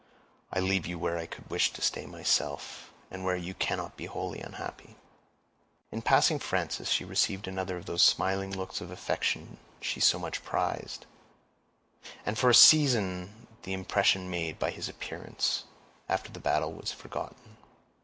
I leave you where I could wish to stay myself, and where you cannot be wholly unhappy." In passing Frances, she received another of those smiling looks of affection she so much prized, and for a season the impression made by his appearance after the battle was forgotten.